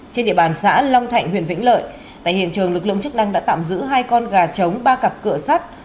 trên địa bàn xã long thạnh huyện vĩnh lợi tại hiện trường lực lượng chức năng đã tạm giữ hai con gà trống ba cặp cửa sắt